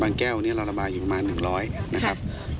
บางแก้วเนี้ยเราระบายอยู่ประมาณหนึ่งร้อยนะครับค่ะ